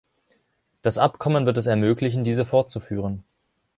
Das Abkommen wird es ermöglichen, diese fortzuführen.